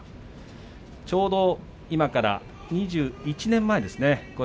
ちょうど今から２１年前ですね。